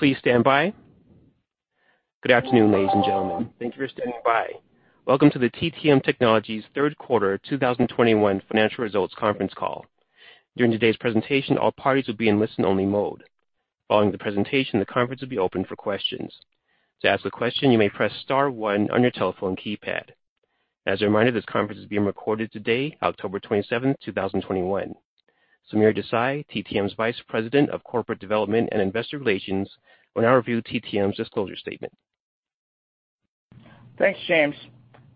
Good afternoon, ladies and gentlemen. Thank you for standing by. Welcome to the TTM Technologies third quarter 2021 financial results conference call. During today's presentation, all parties will be in listen-only mode. Following the presentation, the conference will be opened for questions. To ask a question, you may press star one on your telephone keypad. As a reminder, this conference is being recorded today, October 27, 2021. Sameer Desai, TTM's Vice President of Corporate Development and Investor Relations will now review TTM's disclosure statement. Thanks, James.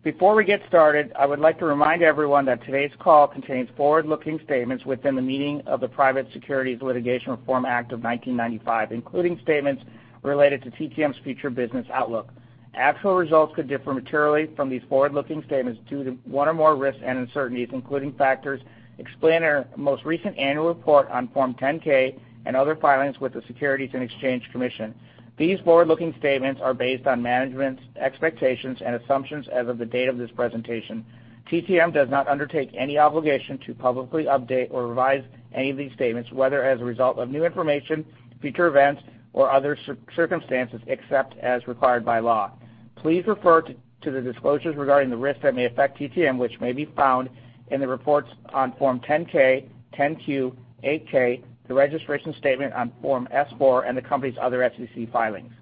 Before we get started, I would like to remind everyone that today's call contains forward-looking statements within the meaning of the Private Securities Litigation Reform Act of 1995, including statements related to TTM's future business outlook. Actual results could differ materially from these forward-looking statements due to one or more risks and uncertainties, including factors explained in our most recent annual report on Form 10-K and other filings with the Securities and Exchange Commission. These forward-looking statements are based on management's expectations and assumptions as of the date of this presentation. TTM does not undertake any obligation to publicly update or revise any of these statements, whether as a result of new information, future events, or other circumstances except as required by law. Please refer to the disclosures regarding the risks that may affect TTM, which may be found in the reports on Form 10-K, 10-Q, 8-K, the registration statement on Form S-4, and the company's other SEC filings.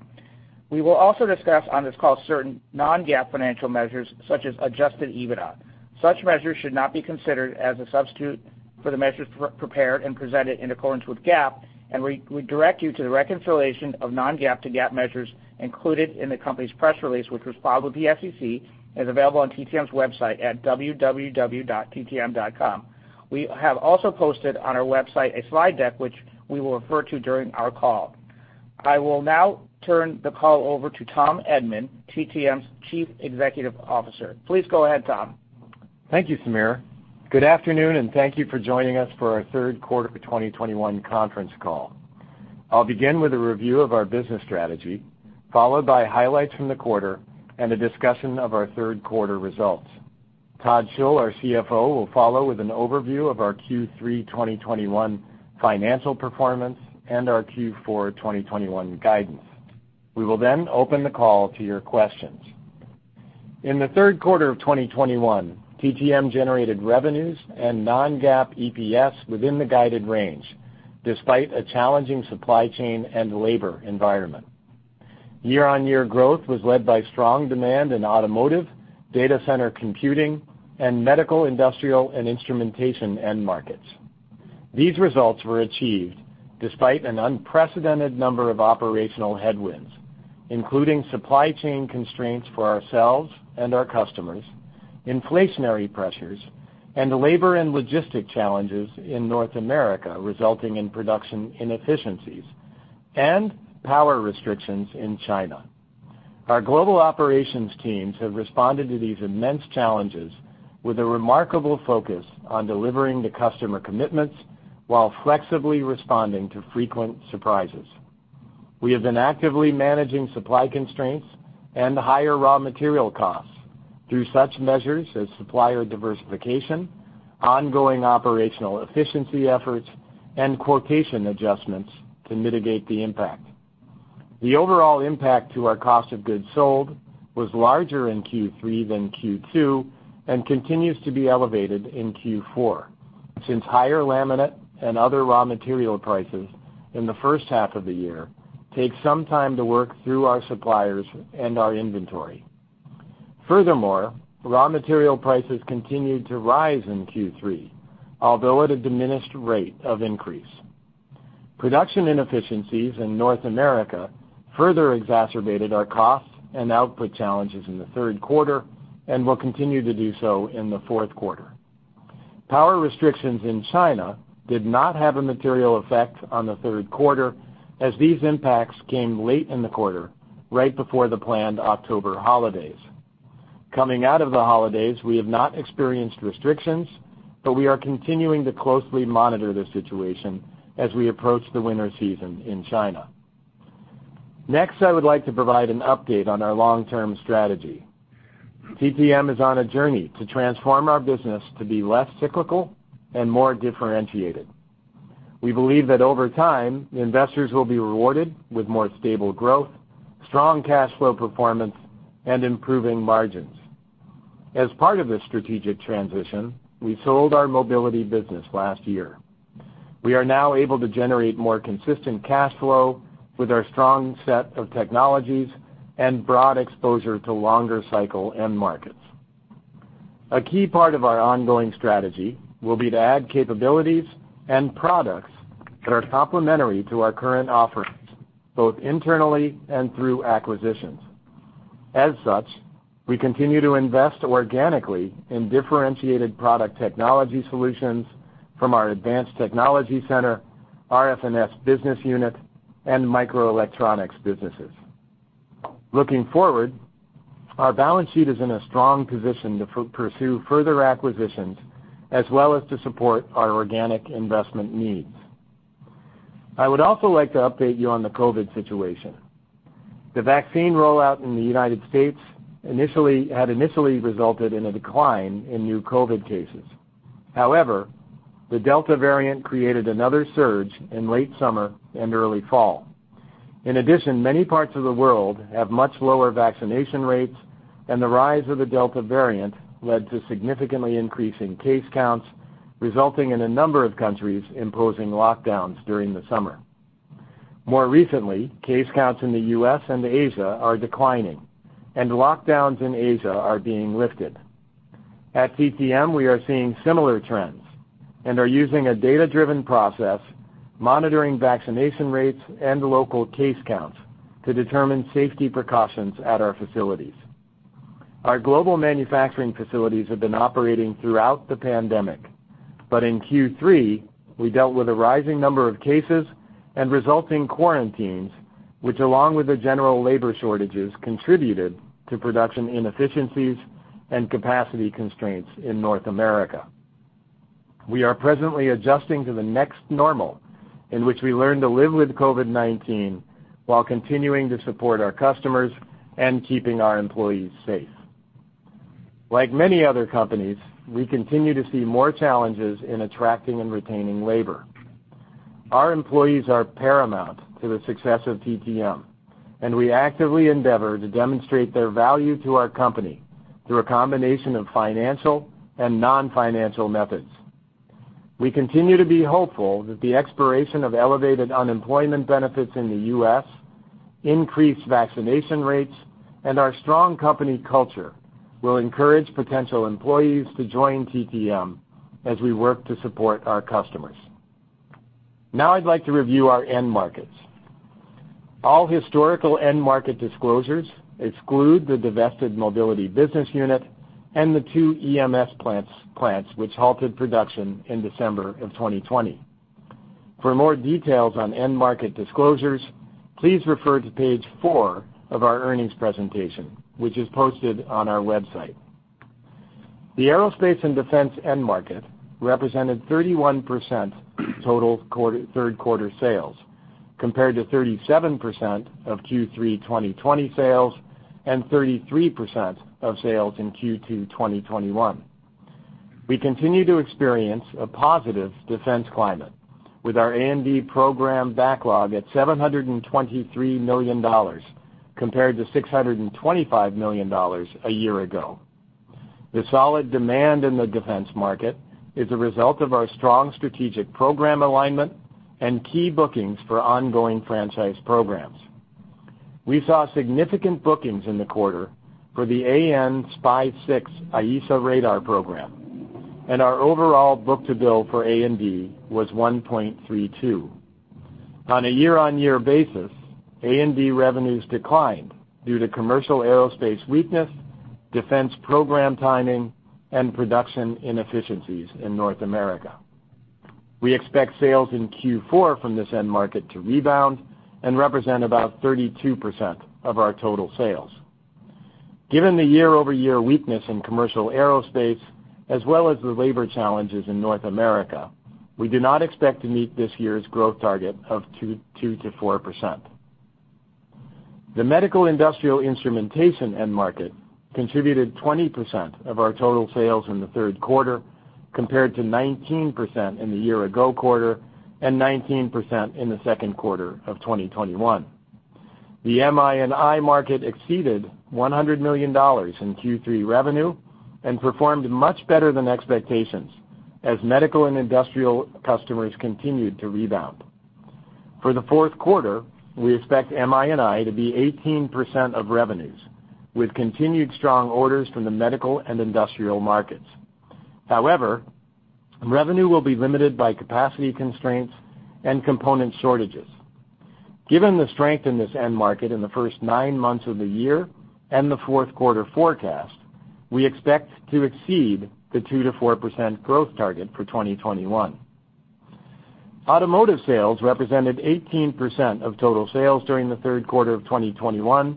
We will also discuss on this call certain non-GAAP financial measures, such as adjusted EBITDA. Such measures should not be considered as a substitute for the measures prepared and presented in accordance with GAAP, and we direct you to the reconciliation of non-GAAP to GAAP measures included in the company's press release, which was filed with the SEC and is available on TTM's website at www.ttm.com. We have also posted on our website a slide deck, which we will refer to during our call. I will now turn the call over to Tom Edman, TTM's Chief Executive Officer. Please go ahead, Tom. Thank you, Sameer. Good afternoon, and thank you for joining us for our third quarter of 2021 conference call. I'll begin with a review of our business strategy, followed by highlights from the quarter and a discussion of our third quarter results. Todd Schull, our CFO, will follow with an overview of our Q3 2021 financial performance and our Q4 2021 guidance. We will then open the call to your questions. In the third quarter of 2021, TTM generated revenues and non-GAAP EPS within the guided range, despite a challenging supply chain and labor environment. Year-on-year growth was led by strong demand in automotive, data center computing, and medical, industrial, and instrumentation end markets. These results were achieved despite an unprecedented number of operational headwinds, including supply chain constraints for ourselves and our customers, inflationary pressures, and labor and logistics challenges in North America resulting in production inefficiencies and power restrictions in China. Our global operations teams have responded to these immense challenges with a remarkable focus on delivering the customer commitments while flexibly responding to frequent surprises. We have been actively managing supply constraints and higher raw material costs through such measures as supplier diversification, ongoing operational efficiency efforts, and quotation adjustments to mitigate the impact. The overall impact to our cost of goods sold was larger in Q3 than Q2 and continues to be elevated in Q4 since higher laminate and other raw material prices in the first half of the year take some time to work through our suppliers and our inventory. Furthermore, raw material prices continued to rise in Q3, although at a diminished rate of increase. Production inefficiencies in North America further exacerbated our costs and output challenges in the third quarter and will continue to do so in the fourth quarter. Power restrictions in China did not have a material effect on the third quarter as these impacts came late in the quarter, right before the planned October holidays. Coming out of the holidays, we have not experienced restrictions, but we are continuing to closely monitor the situation as we approach the winter season in China. Next, I would like to provide an update on our long-term strategy. TTM is on a journey to transform our business to be less cyclical and more differentiated. We believe that over time, investors will be rewarded with more stable growth, strong cash flow performance, and improving margins. As part of this strategic transition, we sold our mobility business last year. We are now able to generate more consistent cash flow with our strong set of technologies and broad exposure to longer-cycle end markets. A key part of our ongoing strategy will be to add capabilities and products that are complementary to our current offerings, both internally and through acquisitions. As such, we continue to invest organically in differentiated product technology solutions from our Advanced Technology Center, RF&S business unit, and microelectronics businesses. Looking forward, our balance sheet is in a strong position to pursue further acquisitions as well as to support our organic investment needs. I would also like to update you on the COVID situation. The vaccine rollout in the United States had initially resulted in a decline in new COVID cases. However, the Delta variant created another surge in late summer and early fall. In addition, many parts of the world have much lower vaccination rates, and the rise of the Delta variant led to a significant increase in case counts, resulting in a number of countries imposing lockdowns during the summer. More recently, case counts in the U.S. and Asia are declining, and lockdowns in Asia are being lifted. At TTM, we are seeing similar trends, and are using a data-driven process, monitoring vaccination rates and local case counts to determine safety precautions at our facilities. Our global manufacturing facilities have been operating throughout the pandemic. In Q3, we dealt with a rising number of cases and resulting quarantines, which along with the general labor shortages, contributed to production inefficiencies and capacity constraints in North America. We are presently adjusting to the next normal, in which we learn to live with COVID-19 while continuing to support our customers and keeping our employees safe. Like many other companies, we continue to see more challenges in attracting and retaining labor. Our employees are paramount to the success of TTM, and we actively endeavor to demonstrate their value to our company through a combination of financial and non-financial methods. We continue to be hopeful that the expiration of elevated unemployment benefits in the U.S., increased vaccination rates, and our strong company culture will encourage potential employees to join TTM as we work to support our customers. Now I'd like to review our end markets. All historical end market disclosures exclude the divested mobility business unit and the two EMS plants which halted production in December of 2020. For more details on end market disclosures, please refer to page four of our earnings presentation, which is posted on our website. The aerospace and defense end market represented 31% of total third quarter sales, compared to 37% of Q3 2020 sales and 33% of sales in Q2 2021. We continue to experience a positive defense climate with our A&D program backlog at $723 million compared to $625 million a year ago. The solid demand in the defense market is a result of our strong strategic program alignment and key bookings for ongoing franchise programs. We saw significant bookings in the quarter for the AN/SPY-6 AESA radar program, and our overall book-to-bill for A&D was 1.32. On a year-on-year basis, A&D revenues declined due to commercial aerospace weakness, defense program timing, and production inefficiencies in North America. We expect sales in Q4 from this end market to rebound and represent about 32% of our total sales. Given the year-over-year weakness in commercial aerospace, as well as the labor challenges in North America, we do not expect to meet this year's growth target of 2%-4%. The medical industrial instrumentation end market contributed 20% of our total sales in the third quarter, compared to 19% in the year-ago quarter and 19% in the second quarter of 2021. The MI and I market exceeded $100 million in Q3 revenue and performed much better than expectations as medical and industrial customers continued to rebound. For the fourth quarter, we expect MI and I to be 18% of revenues, with continued strong orders from the medical and industrial markets. However, revenue will be limited by capacity constraints and component shortages. Given the strength in this end market in the first nine months of the year and the fourth quarter forecast, we expect to exceed the 2%-4% growth target for 2021. Automotive sales represented 18% of total sales during the third quarter of 2021,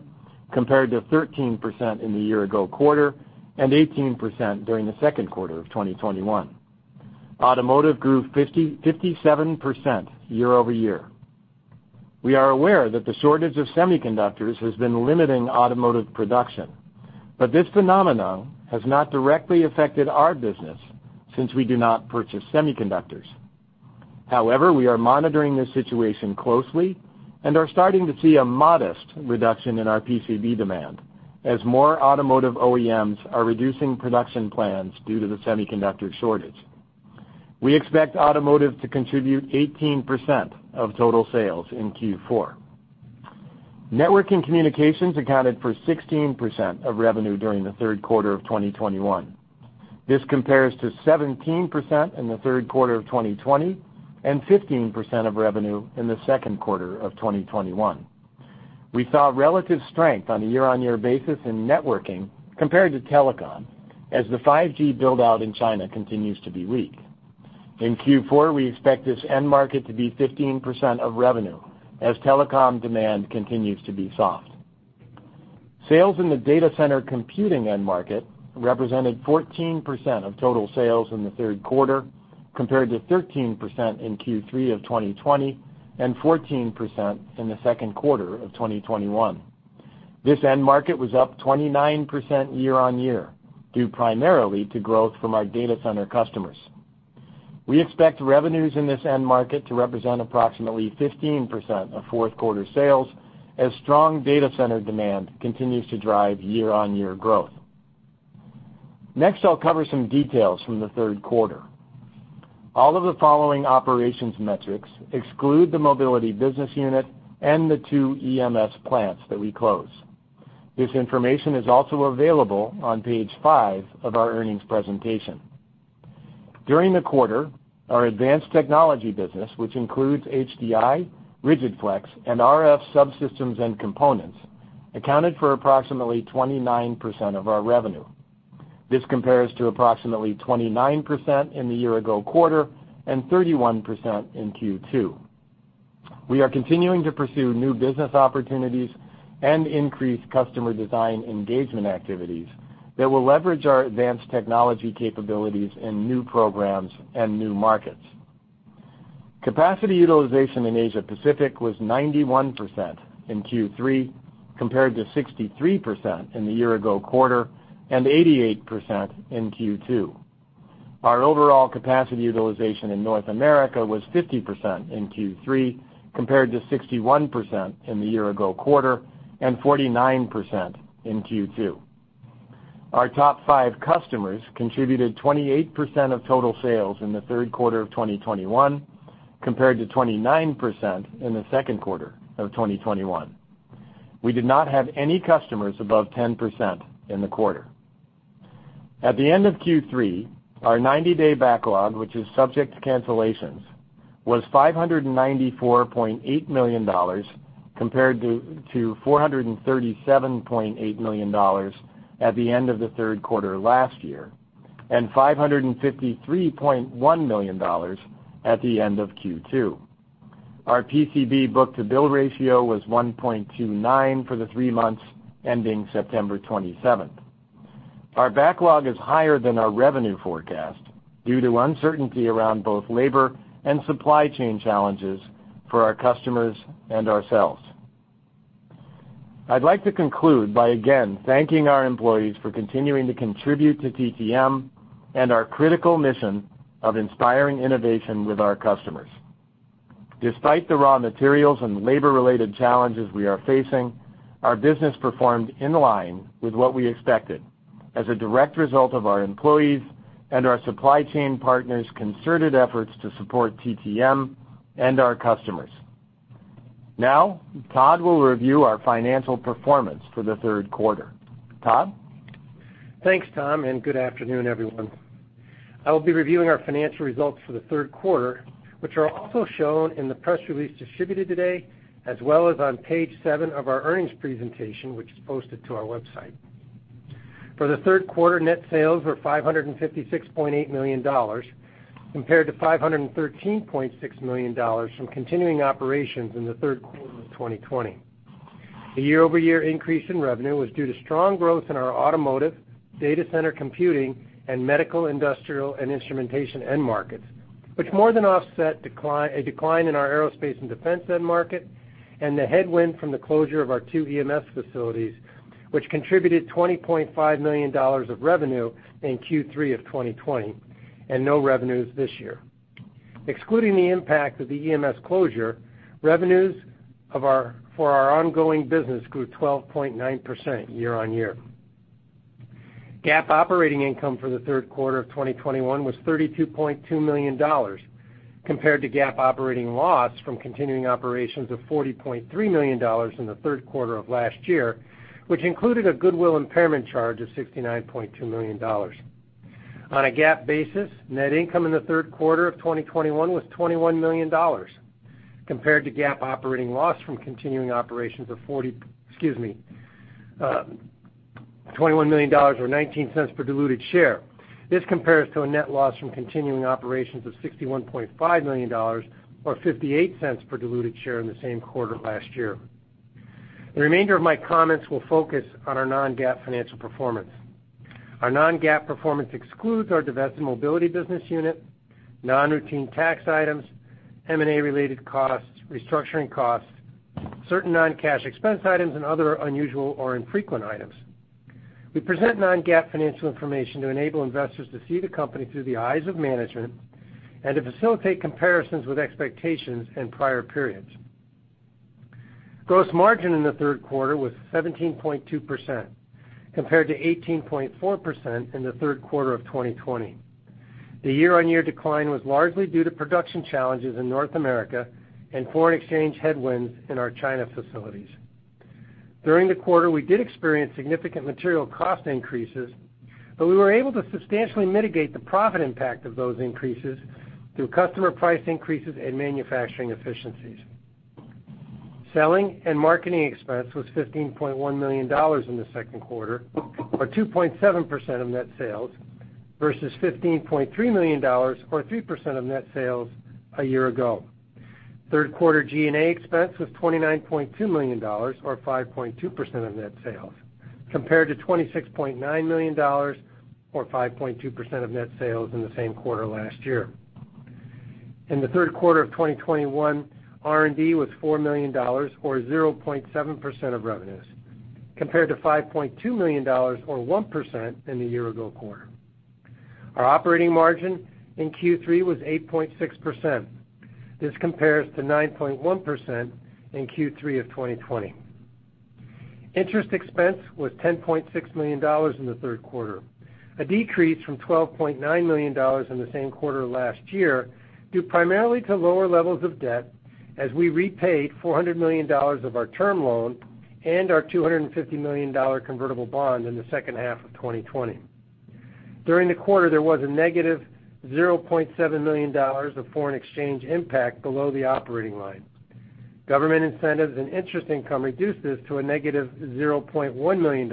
compared to 13% in the year-ago quarter and 18% during the second quarter of 2021. Automotive grew 57% year-over-year. We are aware that the shortage of semiconductors has been limiting automotive production, but this phenomenon has not directly affected our business since we do not purchase semiconductors. However, we are monitoring this situation closely and are starting to see a modest reduction in our PCB demand as more automotive OEMs are reducing production plans due to the semiconductor shortage. We expect automotive to contribute 18% of total sales in Q4. Network and communications accounted for 16% of revenue during the third quarter of 2021. This compares to 17% in the third quarter of 2020 and 15% of revenue in the second quarter of 2021. We saw relative strength on a year-on-year basis in networking compared to telecom as the 5G build-out in China continues to be weak. In Q4, we expect this end market to be 15% of revenue as telecom demand continues to be soft. Sales in the data center computing end market represented 14% of total sales in the third quarter, compared to 13% in Q3 of 2020 and 14% in the second quarter of 2021. This end market was up 29% year-on-year, due primarily to growth from our data center customers. We expect revenues in this end market to represent approximately 15% of fourth quarter sales as strong data center demand continues to drive year-on-year growth. Next, I'll cover some details from the third quarter. All of the following operations metrics exclude the mobility business unit and the two EMS plants that we closed. This information is also available on page five of our earnings presentation. During the quarter, our advanced technology business, which includes HDI, Rigid-Flex, and RF subsystems and components, accounted for approximately 29% of our revenue. This compares to approximately 29% in the year-ago quarter and 31% in Q2. We are continuing to pursue new business opportunities and increase customer design engagement activities that will leverage our advanced technology capabilities in new programs and new markets. Capacity utilization in Asia-Pacific was 91% in Q3, compared to 63% in the year-ago quarter and 88% in Q2. Our overall capacity utilization in North America was 50% in Q3, compared to 61% in the year-ago quarter and 49% in Q2. Our top five customers contributed 28% of total sales in the third quarter of 2021, compared to 29% in the second quarter of 2021. We did not have any customers above 10% in the quarter. At the end of Q3, our 90-day backlog, which is subject to cancellations, was $594.8 million, compared to $437.8 million at the end of the third quarter last year, and $553.1 million at the end of Q2. Our PCB book-to-bill ratio was 1.29 for the three months ending September 27th. Our backlog is higher than our revenue forecast due to uncertainty around both labor and supply chain challenges for our customers and ourselves. I'd like to conclude by, again, thanking our employees for continuing to contribute to TTM and our critical mission of inspiring innovation with our customers. Despite the raw materials and labor-related challenges we are facing, our business performed in line with what we expected as a direct result of our employees and our supply chain partners' concerted efforts to support TTM and our customers. Now, Todd will review our financial performance for the third quarter. Todd? Thanks, Tom, and good afternoon, everyone. I will be reviewing our financial results for the third quarter, which are also shown in the press release distributed today, as well as on page seven of our earnings presentation, which is posted to our website. For the third quarter, net sales were $556.8 million, compared to $513.6 million from continuing operations in the third quarter of 2020. The year-over-year increase in revenue was due to strong growth in our automotive, data center computing, and medical, industrial, and instrumentation end markets, which more than offset a decline in our aerospace and defense end market and the headwind from the closure of our two EMS facilities, which contributed $20.5 million of revenue in Q3 of 2020 and no revenues this year. Excluding the impact of the EMS closure, revenues of our ongoing business grew 12.9% year-on-year. GAAP operating income for the third quarter of 2021 was $32.2 million, compared to GAAP operating loss from continuing operations of $40.3 million in the third quarter of last year, which included a goodwill impairment charge of $69.2 million. On a GAAP basis, net income in the third quarter of 2021 was $21 million or $0.19 per diluted share. This compares to a net loss from continuing operations of $61.5 million or $0.58 per diluted share in the same quarter last year. The remainder of my comments will focus on our non-GAAP financial performance. Our non-GAAP performance excludes our divested mobility business unit, non-routine tax items, M&A-related costs, restructuring costs, certain non-cash expense items, and other unusual or infrequent items. We present non-GAAP financial information to enable investors to see the company through the eyes of management and to facilitate comparisons with expectations in prior periods. Gross margin in the third quarter was 17.2%, compared to 18.4% in the third quarter of 2020. The year-on-year decline was largely due to production challenges in North America and foreign exchange headwinds in our China facilities. During the quarter, we did experience significant material cost increases, but we were able to substantially mitigate the profit impact of those increases through customer price increases and manufacturing efficiencies. Selling and marketing expense was $15.1 million in the second quarter, or 2.7% of net sales, versus $15.3 million or 3% of net sales a year ago. Third quarter G&A expense was $29.2 million or 5.2% of net sales compared to $26.9 million or 5.2% of net sales in the same quarter last year. In the third quarter of 2021, R&D was $4 million or 0.7% of revenues compared to $5.2 million or 1% in the year-ago quarter. Our operating margin in Q3 was 8.6%. This compares to 9.1% in Q3 of 2020. Interest expense was $10.6 million in the third quarter, a decrease from $12.9 million in the same quarter last year, due primarily to lower levels of debt as we repaid $400 million of our term loan and our $250 million convertible bond in the second half of 2020. During the quarter, there was -$0.7 million of foreign exchange impact below the operating line. Government incentives and interest income reduced this to -$0.1 million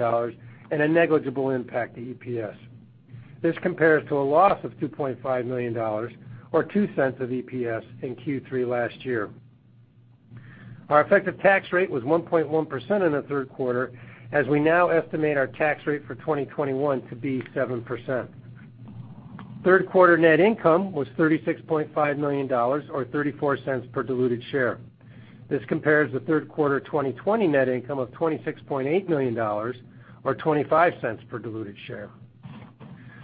and a negligible impact to EPS. This compares to a loss of $2.5 million or $0.02 of EPS in Q3 last year. Our effective tax rate was 1.1% in the third quarter, as we now estimate our tax rate for 2021 to be 7%. Third quarter net income was $36.5 million or $0.34 per diluted share. This compares the third quarter 2020 net income of $26.8 million or $0.25 per diluted share.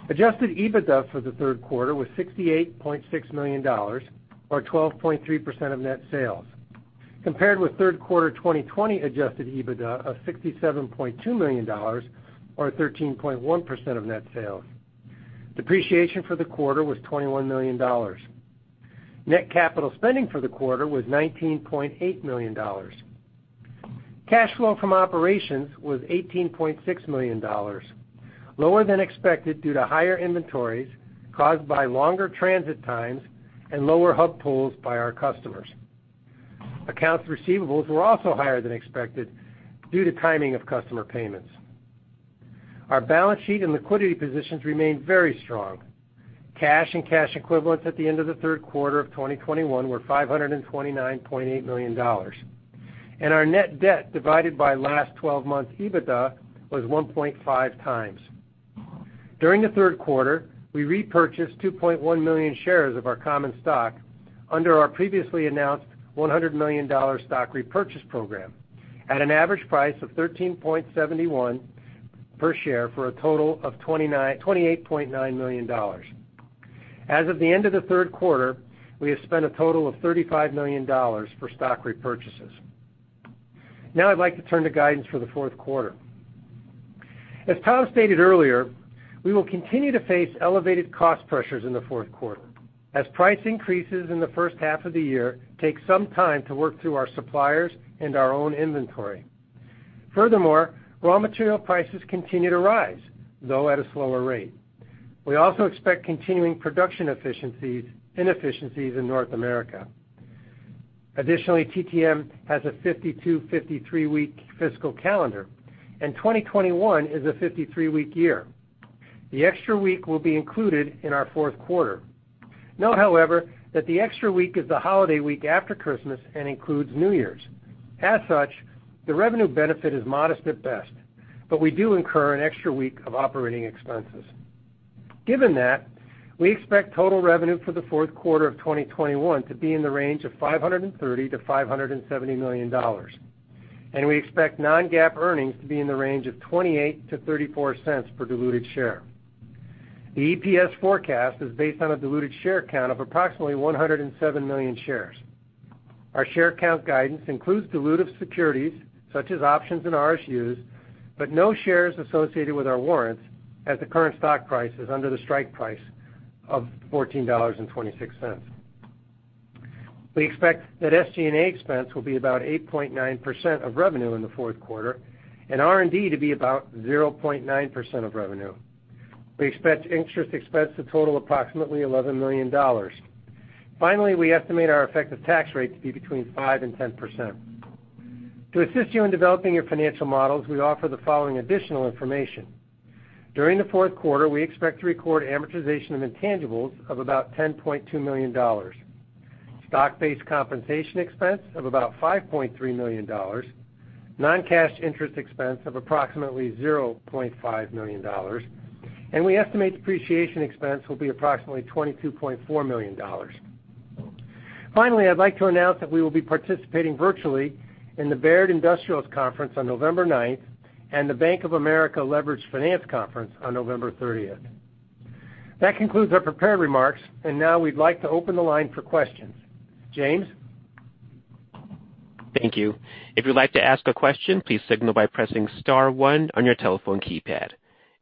Adjusted EBITDA for the third quarter was $68.6 million or 12.3% of net sales, compared with third quarter 2020 Adjusted EBITDA of $67.2 million or 13.1% of net sales. Depreciation for the quarter was $21 million. Net capital spending for the quarter was $19.8 million. Cash flow from operations was $18.6 million, lower than expected due to higher inventories caused by longer transit times and lower hub pulls by our customers. Accounts receivables were also higher than expected due to timing of customer payments. Our balance sheet and liquidity positions remain very strong. Cash and cash equivalents at the end of the third quarter of 2021 were $529.8 million, and our net debt divided by last 12 months EBITDA was 1.5x. During the third quarter, we repurchased 2.1 million shares of our common stock under our previously announced $100 million stock repurchase program at an average price of $13.71 per share for a total of $28.9 million. As of the end of the third quarter, we have spent a total of $35 million for stock repurchases. Now I'd like to turn to guidance for the fourth quarter. As Tom stated earlier, we will continue to face elevated cost pressures in the fourth quarter as price increases in the first half of the year take some time to work through our suppliers and our own inventory. Furthermore, raw material prices continue to rise, though at a slower rate. We also expect continuing production inefficiencies in North America. Additionally, TTM has a 52-, 53-week fiscal calendar, and 2021 is a 53-week year. The extra week will be included in our fourth quarter. Note, however, that the extra week is the holiday week after Christmas and includes New Year's. As such, the revenue benefit is modest at best, but we do incur an extra week of operating expenses. Given that, we expect total revenue for the fourth quarter of 2021 to be in the range of $530 million-$570 million, and we expect non-GAAP earnings to be in the range of $0.28-$0.34 per diluted share. The EPS forecast is based on a diluted share count of approximately 107 million shares. Our share count guidance includes dilutive securities such as options and RSUs, but no shares associated with our warrants as the current stock price is under the strike price of $14.26. We expect that SG&A expense will be about 8.9% of revenue in the fourth quarter and R&D to be about 0.9% of revenue. We expect interest expense to total approximately $11 million. Finally, we estimate our effective tax rate to be between 5% and 10%. To assist you in developing your financial models, we offer the following additional information. During the fourth quarter, we expect to record amortization and intangibles of about $10.2 million, stock-based compensation expense of about $5.3 million, non-cash interest expense of approximately $0.5 million, and we estimate depreciation expense will be approximately $22.4 million. Finally, I'd like to announce that we will be participating virtually in the Baird Industrial Conference on November 9th and the Bank of America Leveraged Finance Conference on November 30th. That concludes our prepared remarks, and now we'd like to open the line for questions. James? Thank you. If you'd like to ask a question, please signal by pressing star one on your telephone keypad.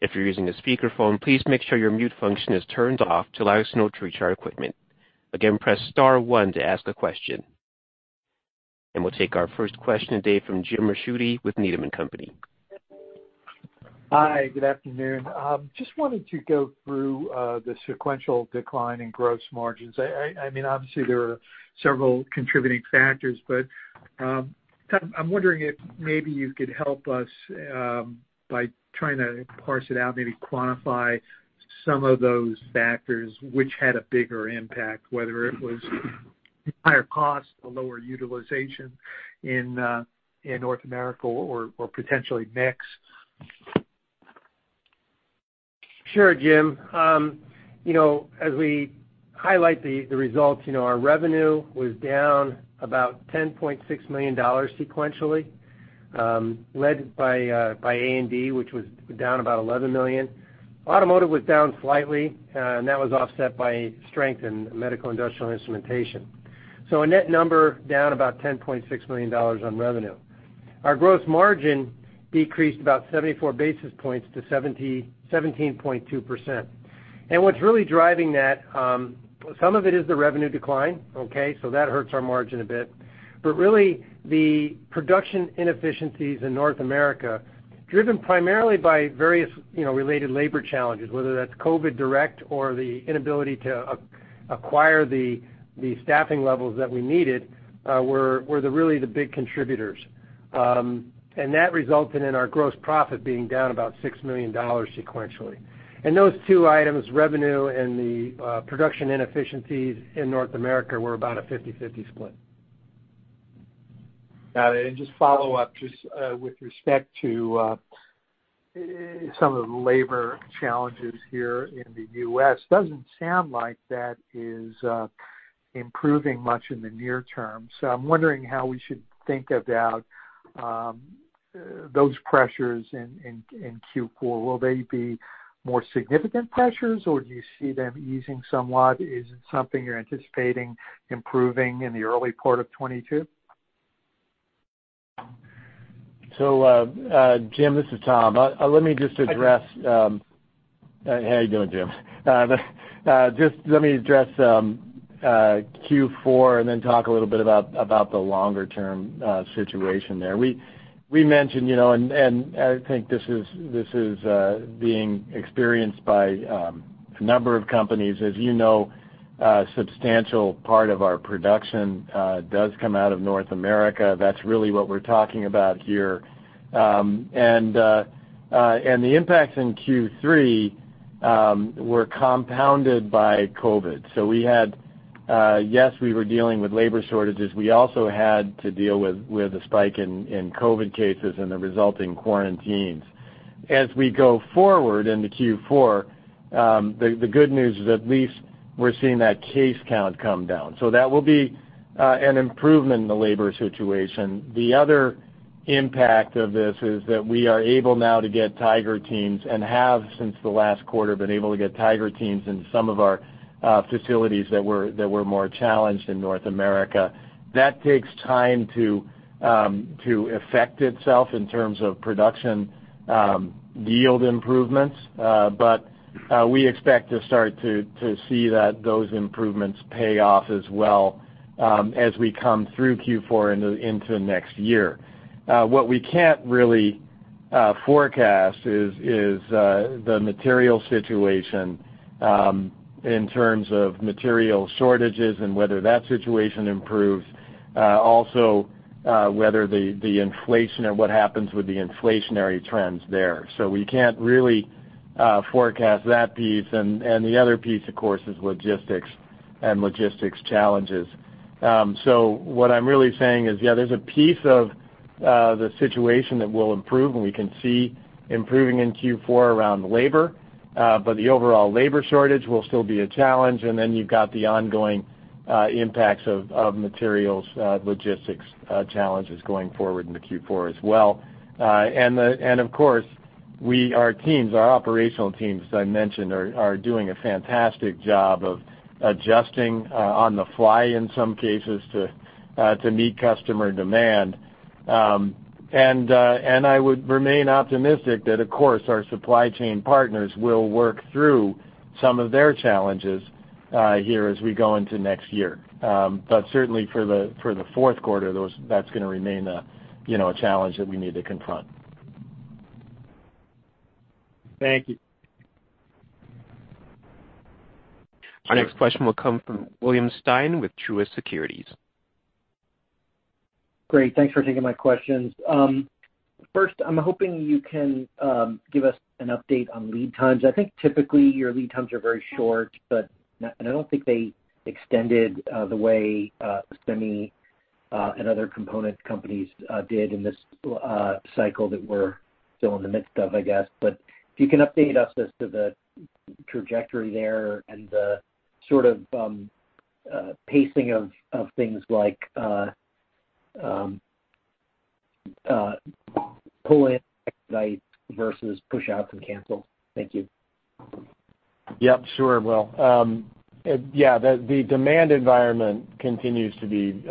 If you're using a speakerphone, please make sure your mute function is turned off so we can hear you. Again, press star one to ask a question. We'll take our first question today from James Ricchiuti with Needham & Company. Hi, good afternoon. Just wanted to go through the sequential decline in gross margins. I mean, obviously, there are several contributing factors, but Todd, I'm wondering if maybe you could help us by trying to parse it out, maybe quantify some of those factors which had a bigger impact, whether it was higher cost or lower utilization in North America or potentially mix. Sure, Jim. You know, as we highlight the results, you know, our revenue was down about $10.6 million sequentially, led by A&D, which was down about $11 million. Automotive was down slightly, and that was offset by strength in medical industrial instrumentation. A net number down about $10.6 million on revenue. Our gross margin decreased about 74 basis points to 17.2%. What's really driving that, some of it is the revenue decline, okay? That hurts our margin a bit. Really, the production inefficiencies in North America, driven primarily by various, you know, related labor challenges, whether that's COVID direct or the inability to acquire the staffing levels that we needed, were the big contributors. That resulted in our gross profit being down about $6 million sequentially. Those two items, revenue and the production inefficiencies in North America, were about a 50/50 split. Got it. Just follow up with respect to some of the labor challenges here in the U.S. Doesn't sound like that is improving much in the near term. I'm wondering how we should think about those pressures in Q4. Will they be more significant pressures, or do you see them easing somewhat? Is it something you're anticipating improving in the early part of 2022? Jim, this is Tom. Let me just address, Hi. How you doing, Jim? Just let me address Q4, and then talk a little bit about the longer-term situation there. We mentioned, and I think this is being experienced by a number of companies. As you know, a substantial part of our production does come out of North America. That's really what we're talking about here. The impacts in Q3 were compounded by COVID. We had, yes, we were dealing with labor shortages. We also had to deal with a spike in COVID cases and the resulting quarantines. As we go forward into Q4, the good news is at least we're seeing that case count come down. That will be an improvement in the labor situation. The other impact of this is that we are able now to get Tiger Teams, and have since the last quarter been able to get Tiger Teams in some of our facilities that were more challenged in North America. That takes time to affect itself in terms of production yield improvements. We expect to start to see that those improvements pay off as well, as we come through Q4 into next year. What we can't really forecast is the material situation in terms of material shortages and whether that situation improves. Whether the inflation or what happens with the inflationary trends there. We can't really forecast that piece. The other piece, of course, is logistics challenges. What I'm really saying is, yeah, there's a piece of the situation that will improve, and we can see improving in Q4 around labor. The overall labor shortage will still be a challenge, and then you've got the ongoing impacts of materials, logistics challenges going forward into Q4 as well. Of course, we, our teams, our operational teams, as I mentioned, are doing a fantastic job of adjusting on the fly in some cases to meet customer demand. I would remain optimistic that, of course, our supply chain partners will work through some of their challenges here as we go into next year. Certainly for the fourth quarter, those, that's gonna remain a, you know, a challenge that we need to confront. Thank you. Sure. Our next question will come from William Stein with Truist Securities. Great. Thanks for taking my questions. First, I'm hoping you can give us an update on lead times. I think typically your lead times are very short. I don't think they extended the way semi and other component companies did in this cycle that we're still in the midst of, I guess. If you can update us as to the trajectory there and the sort of pacing of things like pull-in versus pushout and cancel. Thank you. Yep, sure, Will. Yeah, the demand environment continues to be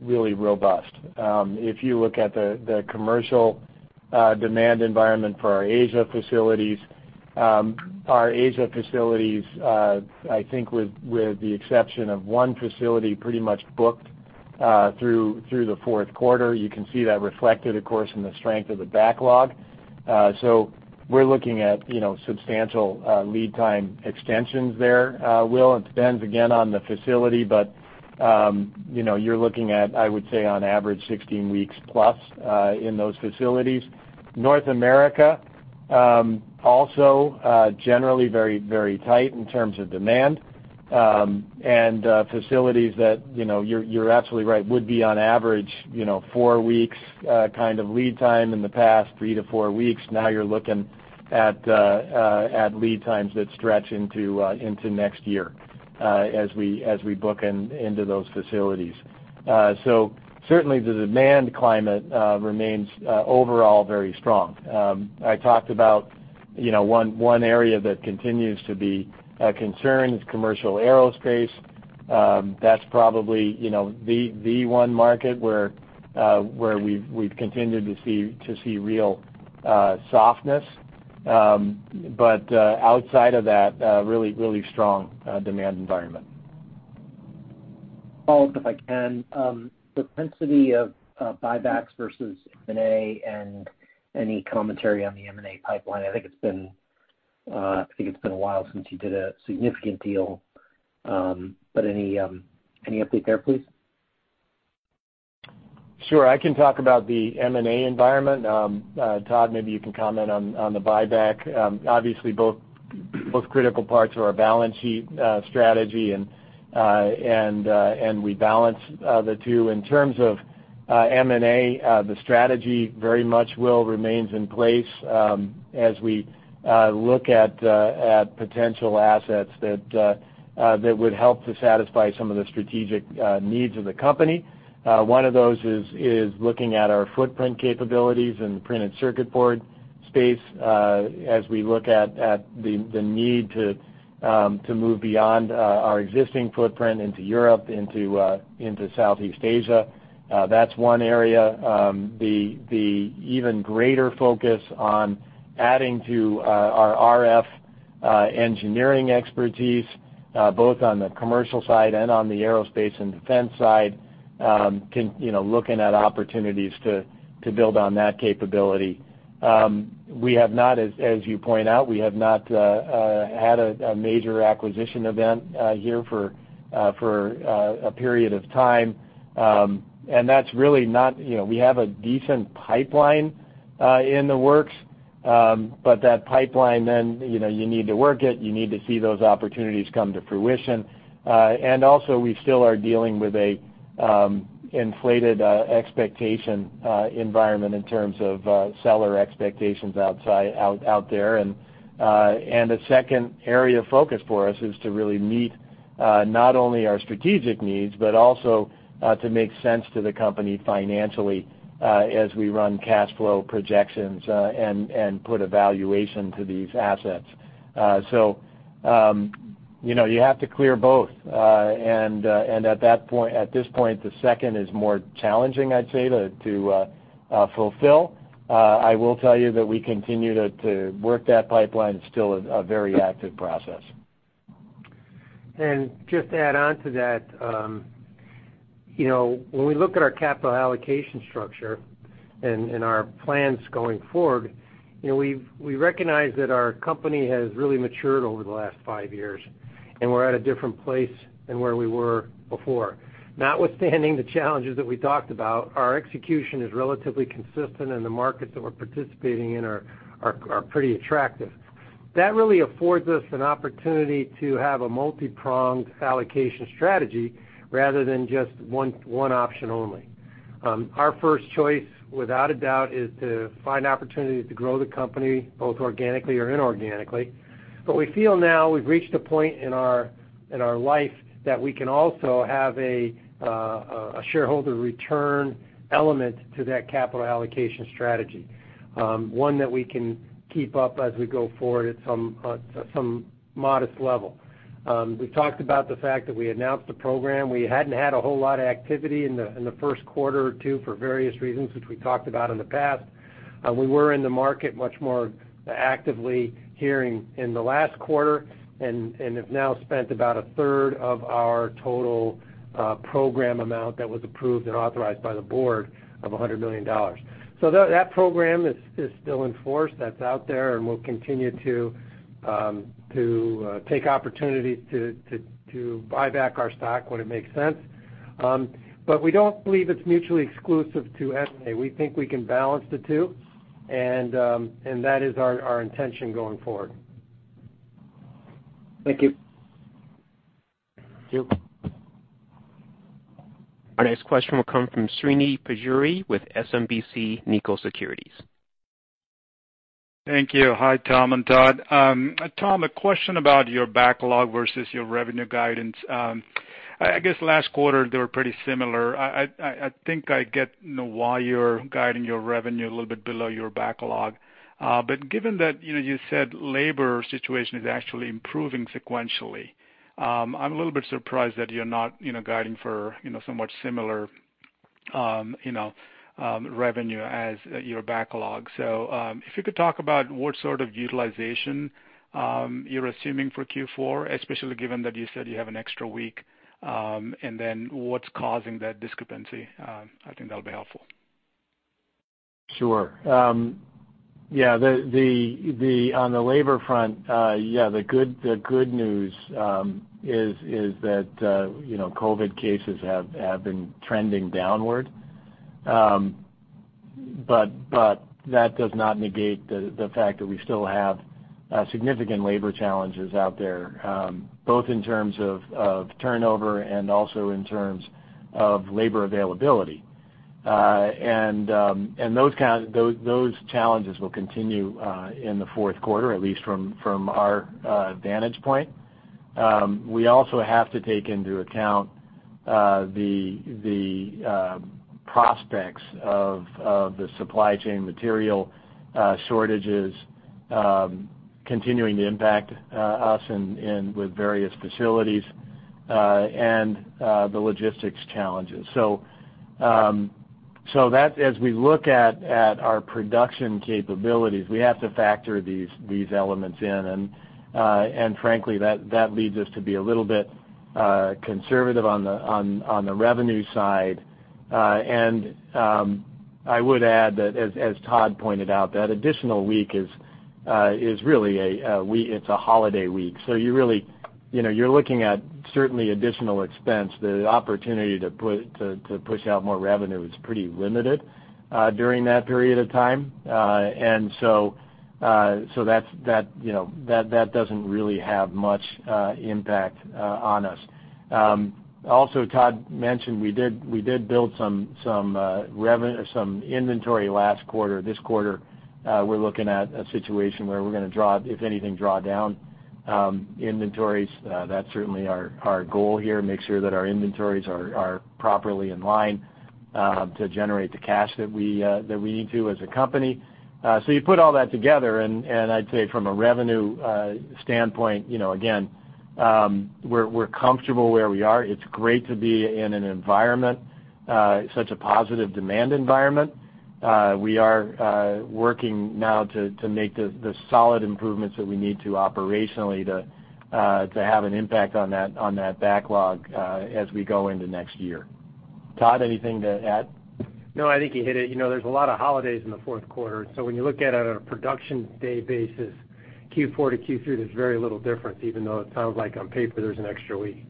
really robust. If you look at the commercial demand environment for our Asia facilities, I think with the exception of one facility pretty much booked through the fourth quarter. You can see that reflected, of course, in the strength of the backlog. So we're looking at, you know, substantial lead time extensions there, Will. It depends again on the facility, but you know, you're looking at, I would say on average, 16 weeks plus in those facilities. North America also generally very, very tight in terms of demand. And facilities that, you know, you're absolutely right, would be on average, you know, four weeks kind of lead time in the past three to four weeks. Now you're looking at lead times that stretch into next year as we book into those facilities. Certainly the demand climate remains overall very strong. I talked about, you know, one area that continues to be a concern is commercial aerospace. That's probably, you know, the one market where we've continued to see real softness. Outside of that, really strong demand environment. Follow-up, if I can. The intensity of buybacks versus M&A and any commentary on the M&A pipeline. I think it's been a while since you did a significant deal. But any update there, please? Sure. I can talk about the M&A environment. Todd, maybe you can comment on the buyback. Obviously both critical parts of our balance sheet strategy and we balance the two. In terms of M&A, the strategy very much will remain in place, as we look at potential assets that would help to satisfy some of the strategic needs of the company. One of those is looking at our footprint capabilities in the printed circuit board space, as we look at the need to move beyond our existing footprint into Europe, into Southeast Asia. That's one area. The even greater focus on adding to our RF engineering expertise both on the commercial side and on the aerospace and defense side, you know, looking at opportunities to build on that capability. We have not, as you point out, had a major acquisition event here for a period of time. That's really not, you know, we have a decent pipeline in the works. That pipeline then, you know, you need to work it, you need to see those opportunities come to fruition. We still are dealing with an inflated expectation environment in terms of seller expectations out there. A second area of focus for us is to really meet not only our strategic needs, but also to make sense to the company financially, as we run cash flow projections, and put a valuation to these assets. You know, you have to clear both. At that point, at this point, the second is more challenging, I'd say, to fulfill. I will tell you that we continue to work that pipeline. It's still a very active process. Just to add on to that, you know, when we look at our capital allocation structure and our plans going forward, you know, we recognize that our company has really matured over the last five years, and we're at a different place than where we were before. Notwithstanding the challenges that we talked about, our execution is relatively consistent, and the markets that we're participating in are pretty attractive. That really affords us an opportunity to have a multi-pronged allocation strategy rather than just one option only. Our first choice, without a doubt, is to find opportunities to grow the company, both organically or inorganically. We feel now we've reached a point in our life that we can also have a shareholder return element to that capital allocation strategy, one that we can keep up as we go forward at some modest level. We've talked about the fact that we announced the program. We hadn't had a whole lot of activity in the first quarter or two for various reasons, which we talked about in the past. We were in the market much more actively here in the last quarter and have now spent about a 1/3 of our total program amount that was approved and authorized by the board of $100 million. That program is still in force. That's out there, and we'll continue to take opportunities to buy back our stock when it makes sense. We don't believe it's mutually exclusive to M&A. We think we can balance the two and that is our intention going forward. Thank you. Thank you. Our next question will come from Srini Pajjuri with SMBC Nikko Securities. Thank you. Hi, Tom and Todd. Tom, a question about your backlog versus your revenue guidance. I guess last quarter they were pretty similar. I think I get, you know, why you're guiding your revenue a little bit below your backlog. But given that, you know, you said labor situation is actually improving sequentially, I'm a little bit surprised that you're not, you know, guiding for somewhat similar revenue as your backlog. If you could talk about what sort of utilization you're assuming for Q4, especially given that you said you have an extra week, and then what's causing that discrepancy, I think that'll be helpful. Sure. Yeah, on the labor front, yeah, the good news is that you know, COVID cases have been trending downward. That does not negate the fact that we still have significant labor challenges out there, both in terms of turnover and also in terms of labor availability. Those challenges will continue in the fourth quarter, at least from our vantage point. We also have to take into account the prospects of the supply chain material shortages continuing to impact us with various facilities and the logistics challenges. As we look at our production capabilities, we have to factor these elements in, and frankly, that leads us to be a little bit conservative on the revenue side. I would add that as Todd pointed out, that additional week is really a holiday week. You really, you know, you're looking at certainly additional expense. The opportunity to push out more revenue is pretty limited during that period of time. That's, you know, that doesn't really have much impact on us. Also Todd mentioned we did build some inventory last quarter. This quarter, we're looking at a situation where we're gonna, if anything, draw down inventories. That's certainly our goal here, to make sure that our inventories are properly in line to generate the cash that we need to as a company. You put all that together and I'd say from a revenue standpoint, you know, again, we're comfortable where we are. It's great to be in an environment such a positive demand environment. We are working now to make the solid improvements that we need to operationally to have an impact on that backlog as we go into next year. Todd, anything to add? No, I think you hit it. You know, there's a lot of holidays in the fourth quarter. When you look at it on a production day basis, Q4 to Q3, there's very little difference, even though it sounds like on paper there's an extra week.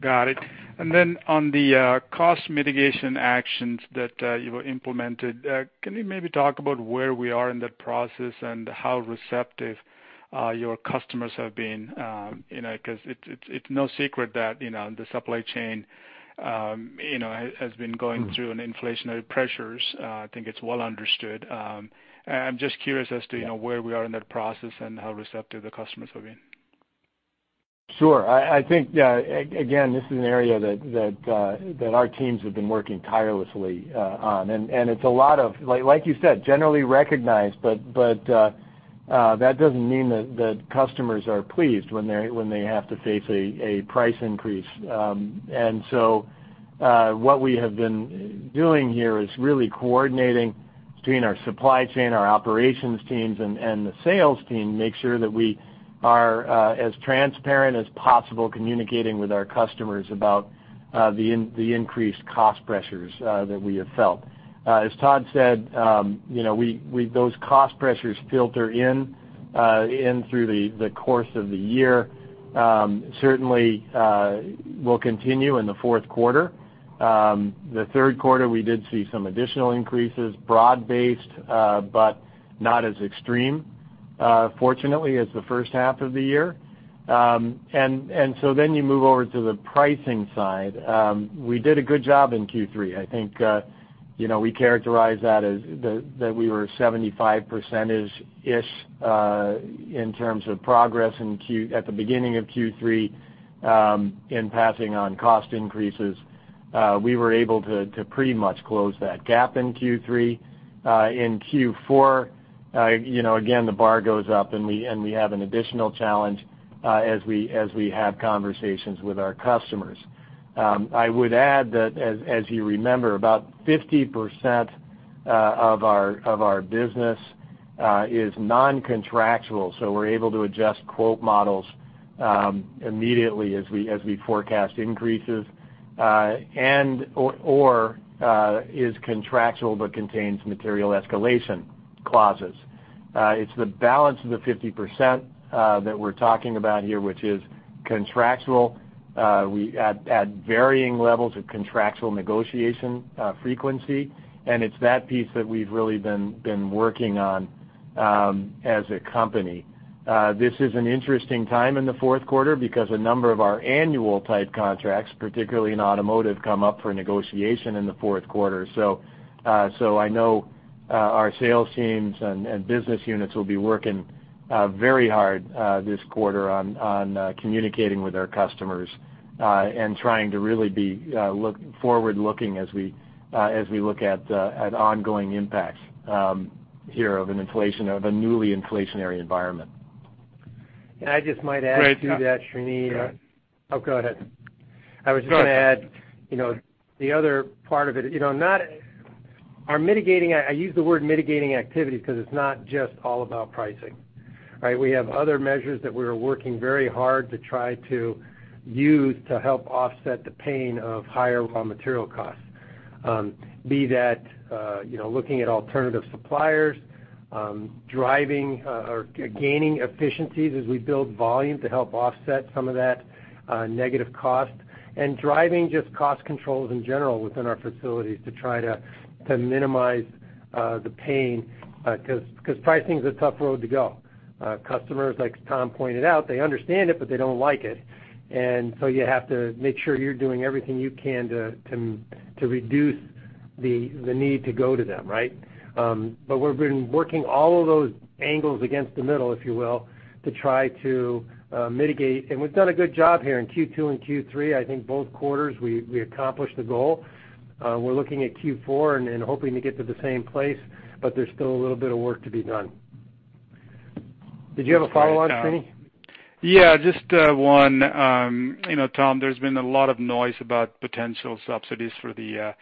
Got it. On the cost mitigation actions that you implemented, can you maybe talk about where we are in that process and how receptive your customers have been? You know, 'cause it's no secret that you know, the supply chain has been going through an inflationary pressures. I think it's well understood. I'm just curious as to you know, where we are in that process and how receptive the customers have been. Sure. I think again this is an area that our teams have been working tirelessly on. It's a lot of, like you said, generally recognized, but that doesn't mean that customers are pleased when they have to face a price increase. What we have been doing here is really coordinating between our supply chain, our operations teams, and the sales team, make sure that we are as transparent as possible communicating with our customers about the increased cost pressures that we have felt. As Todd said, you know, those cost pressures filter in through the course of the year. Certainly will continue in the fourth quarter. The third quarter, we did see some additional increases, broad-based, but not as extreme, fortunately as the first half of the year. And so then you move over to the pricing side. We did a good job in Q3. I think, you know, we characterize that as the, that we were 75%-ish in terms of progress in Q3 at the beginning of Q3 in passing on cost increases. We were able to to pretty much close that gap in Q3. In Q4, you know, again, the bar goes up, and we have an additional challenge as we have conversations with our customers. I would add that as you remember, about 50% of our business is non-contractual, so we're able to adjust quote models immediately as we forecast increases and/or is contractual but contains material escalation clauses. It's the balance of the 50% that we're talking about here, which is contractual. We're at varying levels of contractual negotiation frequency, and it's that piece that we've really been working on as a company. This is an interesting time in the fourth quarter because a number of our annual type contracts, particularly in automotive, come up for negotiation in the fourth quarter. I know our sales teams and business units will be working very hard this quarter on communicating with our customers and trying to really be forward-looking as we look at ongoing impacts here of a newly inflationary environment. I just might add to that, Srini. Go ahead. Oh, go ahead. I was just gonna add, you know, the other part of it, you know. I use the word mitigating activity 'cause it's not just all about pricing. Right. We have other measures that we are working very hard to try to use to help offset the pain of higher raw material costs, be that, you know, looking at alternative suppliers, driving, or gaining efficiencies as we build volume to help offset some of that, negative cost, and driving just cost controls in general within our facilities to try to minimize the pain, 'cause pricing's a tough road to go. Customers, like Tom pointed out, they understand it, but they don't like it. You have to make sure you're doing everything you can to reduce the need to go to them, right? We've been working all of those angles against the middle, if you will, to try to mitigate. We've done a good job here in Q2 and Q3. I think both quarters, we accomplished the goal. We're looking at Q4 and hoping to get to the same place, but there's still a little bit of work to be done. Did you have a follow on, Srini? Yeah, just one. You know, Tom, there's been a lot of noise about potential subsidies for the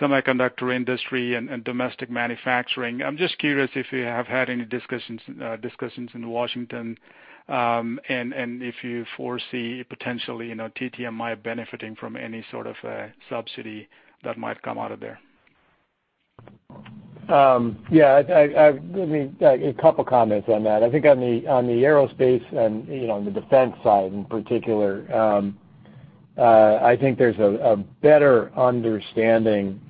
semiconductor industry and domestic manufacturing. I'm just curious if you have had any discussions in Washington, and if you foresee potentially, you know, TTM might benefiting from any sort of a subsidy that might come out of there. Yeah. A couple comments on that. I think on the aerospace and, you know, on the defense side in particular, I think there's a better understanding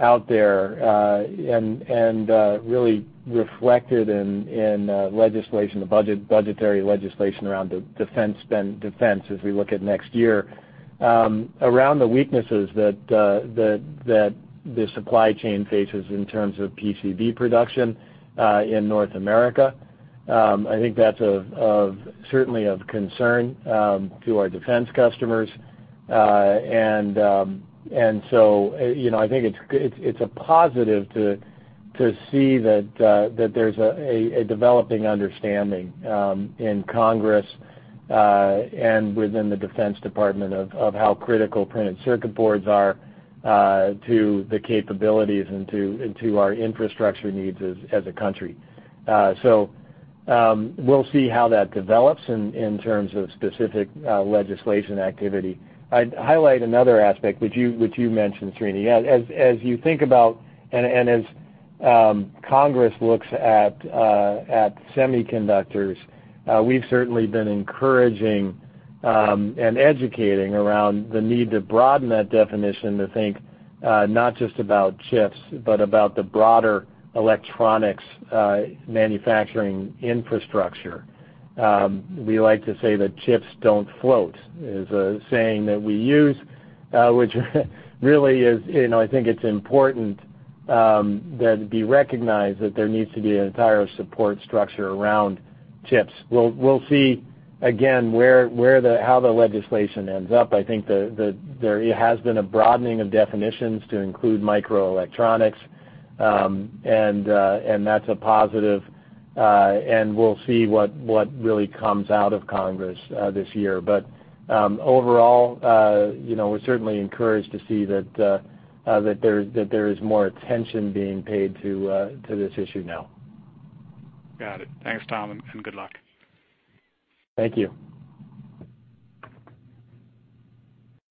out there, and really reflected in legislation, the budgetary legislation around defense spending as we look at next year, around the weaknesses that the supply chain faces in terms of PCB production in North America. I think that's certainly of concern to our defense customers. You know, I think it's a positive to see that there's a developing understanding in Congress and within the Department of Defense of how critical printed circuit boards are to the capabilities and to our infrastructure needs as a country. We'll see how that develops in terms of specific legislative activity. I'd highlight another aspect which you mentioned, Srini. As you think about and as Congress looks at semiconductors, we've certainly been encouraging and educating around the need to broaden that definition to think not just about chips, but about the broader electronics manufacturing infrastructure. We like to say that "chips don't float" is a saying that we use, which really is, you know, I think it's important that it be recognized that there needs to be an entire support structure around chips. We'll see again how the legislation ends up. I think there has been a broadening of definitions to include microelectronics, and that's a positive. We'll see what really comes out of Congress this year. Overall, you know, we're certainly encouraged to see that there is more attention being paid to this issue now. Got it. Thanks, Tom, and good luck. Thank you.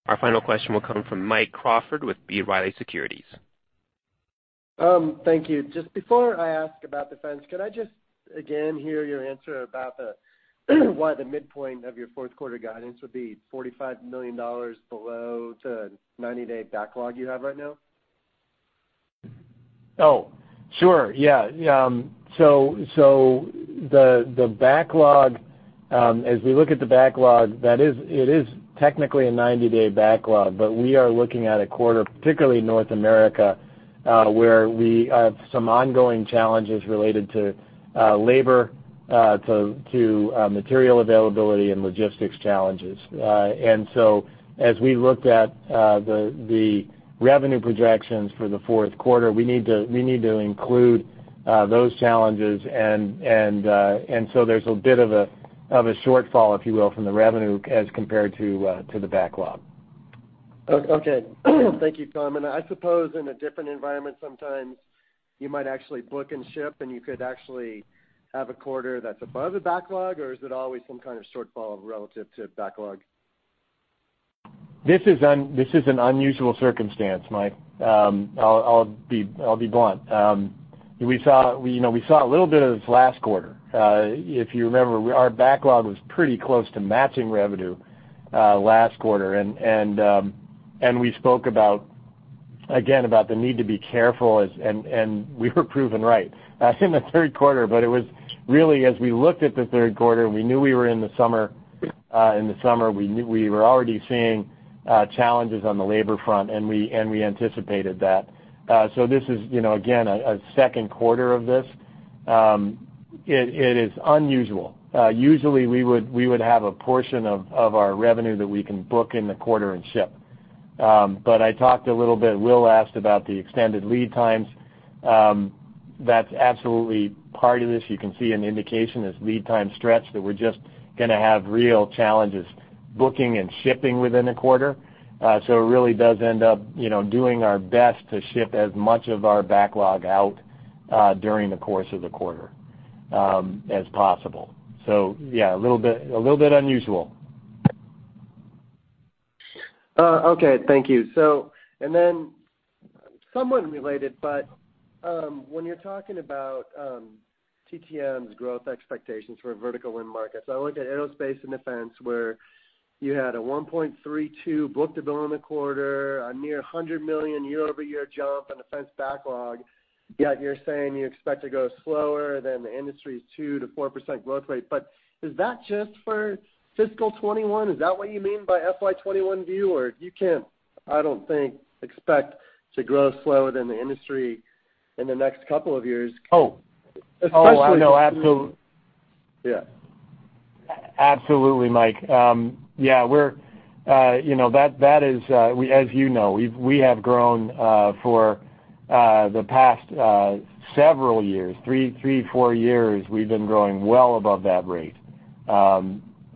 Our final question will come from Mike Crawford with B. Riley Securities. Thank you. Just before I ask about defense, could I just again hear your answer about why the midpoint of your fourth quarter guidance would be $45 million below the 90-day backlog you have right now? Oh, sure. Yeah. So the backlog, as we look at the backlog, that is technically a 90-day backlog. We are looking at a quarter, particularly North America, where we have some ongoing challenges related to labor, to material availability and logistics challenges. As we looked at the revenue projections for the fourth quarter, we need to include those challenges, and so there's a bit of a shortfall, if you will, from the revenue as compared to the backlog. Okay. Thank you, Tom. I suppose in a different environment, sometimes you might actually book and ship, and you could actually have a quarter that's above the backlog, or is it always some kind of shortfall relative to backlog? This is an unusual circumstance, Mike. I'll be blunt. We saw a little bit of this last quarter. If you remember, our backlog was pretty close to matching revenue last quarter. We spoke about again the need to be careful, and we were proven right in the third quarter. It was really as we looked at the third quarter, and we knew we were in the summer. In the summer, we knew we were already seeing challenges on the labor front, and we anticipated that. This is, you know, again a second quarter of this. It is unusual. Usually, we would have a portion of our revenue that we can book in the quarter and ship. But I talked a little bit. Will asked about the extended lead times. That's absolutely part of this. You can see an indication as lead times stretch that we're just gonna have real challenges booking and shipping within a quarter. It really does end up, you know, doing our best to ship as much of our backlog out during the course of the quarter as possible. Yeah, a little bit unusual. Okay. Thank you. Somewhat related, but when you're talking about TTM's growth expectations for vertical end markets, I looked at aerospace and defense, where you had a 1.32 book-to-bill in the quarter, a near $100 million year-over-year jump on defense backlog, yet you're saying you expect to grow slower than the industry's 2%-4% growth rate. Is that just for FY 2021? Is that what you mean by FY 2021 view? You can't, I don't think, expect to grow slower than the industry in the next couple of years. Oh. Especially- Oh, no. Yeah. Absolutely, Mike. Yeah, you know, that is, as you know, we have grown for the past several years, three, four years. We've been growing well above that rate.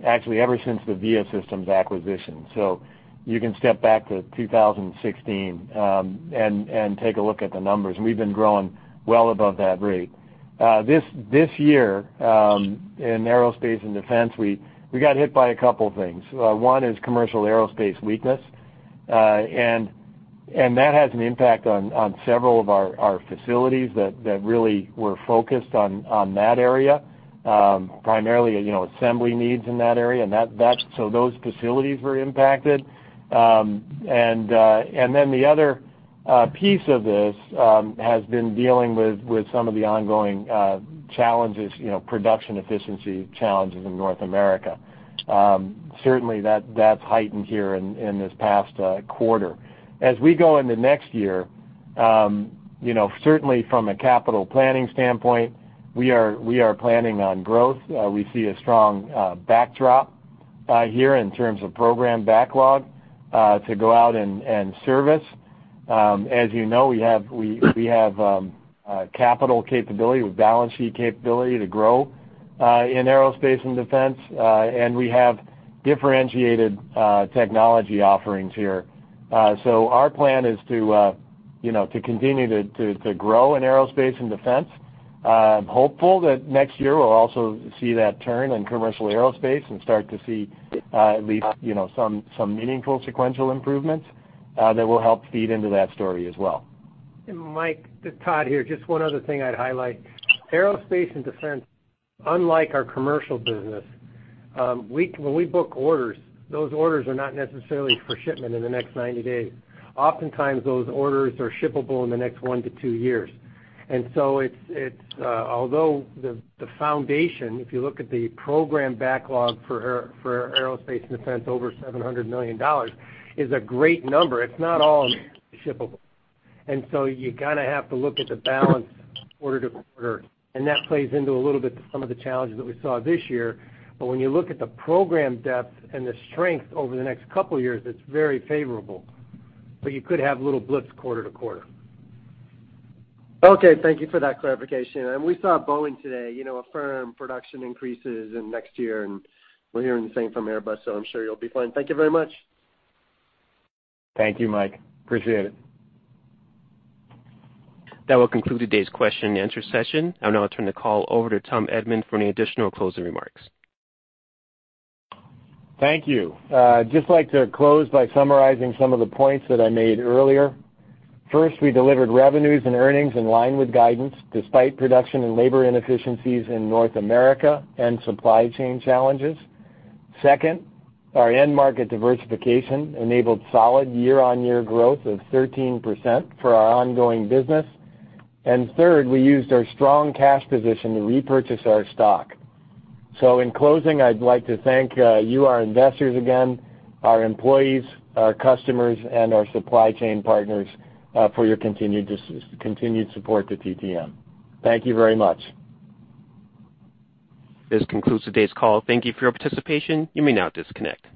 Actually, ever since the Viasystems acquisition. You can step back to 2016 and take a look at the numbers, and we've been growing well above that rate. This year, in aerospace and defense, we got hit by a couple things. One is commercial aerospace weakness. And that has an impact on several of our facilities that really were focused on that area, primarily, you know, assembly needs in that area. So those facilities were impacted. Then the other piece of this has been dealing with some of the ongoing challenges, you know, production efficiency challenges in North America. Certainly that's heightened here in this past quarter. As we go into next year, you know, certainly from a capital planning standpoint, we are planning on growth. We see a strong backdrop here in terms of program backlog to go out and service. As you know, we have capital capability, we have balance sheet capability to grow in aerospace and defense. We have differentiated technology offerings here. Our plan is to, you know, continue to grow in aerospace and defense. Hopeful that next year we'll also see that turn in commercial aerospace and start to see, at least, you know, some meaningful sequential improvements that will help feed into that story as well. Mike, this is Todd here. Just one other thing I'd highlight. Aerospace and defense, unlike our commercial business, when we book orders, those orders are not necessarily for shipment in the next 90 days. Oftentimes, those orders are shippable in the next one to two years. It's although the foundation, if you look at the program backlog for aerospace and defense, over $700 million, is a great number. It's not all shippable. You kind of have to look at the balance quarter-to-quarter, and that plays into a little bit to some of the challenges that we saw this year. When you look at the program depth and the strength over the next couple years, it's very favorable. You could have little blips quarter-to-quarter. Okay. Thank you for that clarification. We saw Boeing today, you know, affirm production increases in next year, and we're hearing the same from Airbus, so I'm sure you'll be fine. Thank you very much. Thank you, Mike. Appreciate it. That will conclude today's question and answer session. I'll now turn the call over to Tom Edman for any additional closing remarks. Thank you. I'd just like to close by summarizing some of the points that I made earlier. First, we delivered revenues and earnings in line with guidance despite production and labor inefficiencies in North America and supply chain challenges. Second, our end market diversification enabled solid year-on-year growth of 13% for our ongoing business. Third, we used our strong cash position to repurchase our stock. In closing, I'd like to thank you, our investors again, our employees, our customers, and our supply chain partners for your continued support to TTM. Thank you very much. This concludes today's call. Thank you for your participation. You may now disconnect.